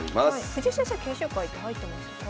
藤井先生研修会って入ってましたか？